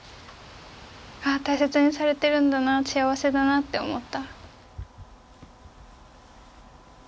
ああ大切にされているんだな幸せだなって思った。